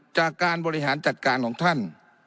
จากการบริหารจัดการของท่าน